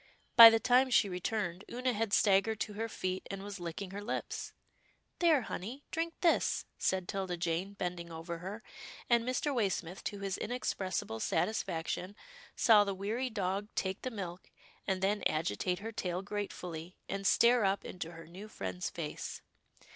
By the time she returned, Oonah had staggered to her feet, and was licking her lips. " There, honey, drink this," said 'Tilda Jane bending over her, and Mr. Waysmith, to his inex pressible satisfaction, saw the weary dog take the COUSIN OONAH RILEY 275 milk, and then agitate her tail gratefully, and stare up into her new friend's face.